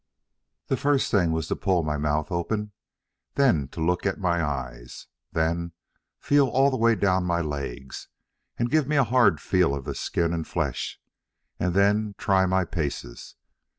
The first thing was to pull my mouth open, then to look at my eyes, then feel all the way down my legs and give me a hard feel of the skin and flesh, and then try my paces.